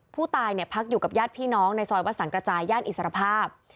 ผู้ตายพักอยู่กับญาติพี่น้องในซอยวัดสังกระจายย่านอิสรภาพ